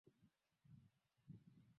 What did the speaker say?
Ninaitwa dana, unaitwa nani?